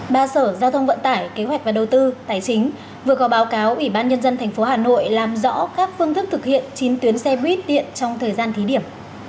ba sở giao thông vận tải kế hoạch và đầu tư tài chính vừa có báo cáo ủy ban nhân dân tp hà nội làm rõ các phương thức thực hiện chín tuyến xe buýt điện trong thời gian thí điểm